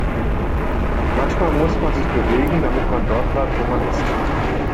Manchmal muss man sich bewegen, damit man dort bleibt, wo man ist.